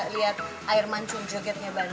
lihat air mancur jogetnya banyak